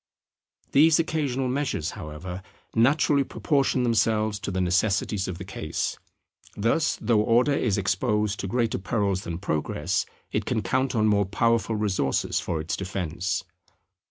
These occasional measures, however, naturally proportion themselves to the necessities of the case. Thus, though Order is exposed to greater perils than Progress, it can count on more powerful resources for its defence.